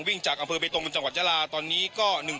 วิ่งจากอำเภอเบตรงจังหวัดยาลาตอนนี้ก็